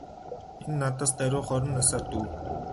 Энэ надаас даруй хорин насаар дүү.